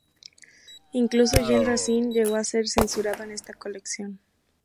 Incluso Jean Racine llegó a ser censurado en esta colección.